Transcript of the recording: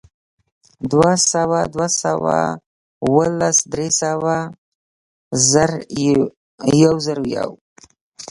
دوهسوه، دوه سوه او لس، درې سوه، زر، یوزرویو